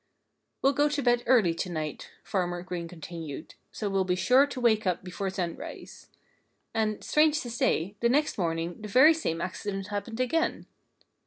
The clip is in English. "We'll go to bed early to night," Farmer Green continued, "so we'll be sure to wake up before sunrise." And, strange to say, the next morning the very same accident happened again.